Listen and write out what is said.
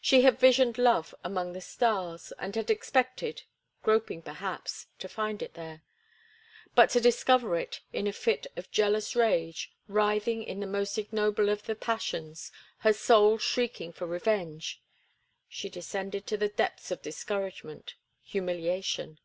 She had visioned love among the stars, and had expected—groping, perhaps—to find it there. But to discover it in a fit of jealous rage, writhing in the most ignoble of the passions, her soul shrieking for revenge—she descended to the depths of discouragement, humiliation.